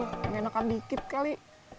yang nginekan dikit kali